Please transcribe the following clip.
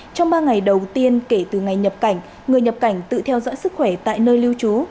trong ba ngày đầu tiên kể từ ngày nhập cảnh người nhập cảnh tự theo dõi sức khỏe tại nơi lưu trú